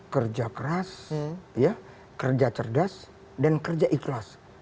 kerja keras kerja cerdas dan kerja ikhlas